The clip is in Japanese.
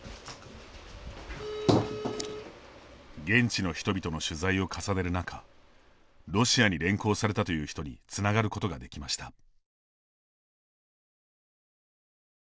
現地の人々の取材を重ねる中ロシアに連行されたという人につながることができました。